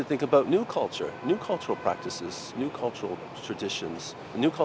những kế hoạch này được phát triển bắt đầu bởi các thành phố